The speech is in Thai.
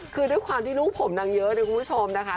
คือด้วยความที่ลูกผมนางเยอะนะคุณผู้ชมนะคะ